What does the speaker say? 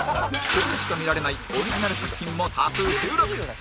ここでしか見られないオリジナル作品も多数収録